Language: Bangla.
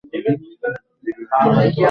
দিনের আহারের পর অবশ্য গরম বোধ করি না।